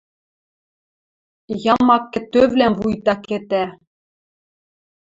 Ямак кӹтӧвлӓм вуйта кӹтӓ.